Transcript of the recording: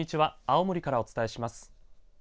青森からお伝えします。